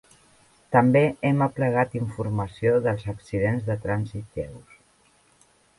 També hem aplegat informació dels accidents de trànsit lleus.